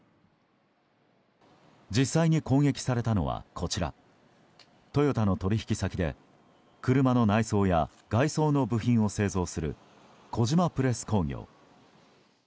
実際に攻撃されたのは、こちらトヨタの取引先で車の内装や外装の部品を製造する小島プレス工業。